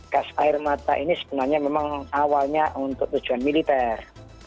gas air mata ini sebenarnya memang awalnya untuk tujuan militer